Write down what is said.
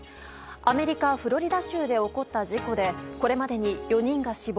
アメリカ・フロリダ州で起こった事故でこれまでに４人が死亡。